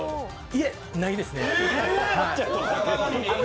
いえ、ないですね。